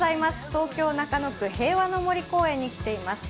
東京・中野区平和の森公園に来ています。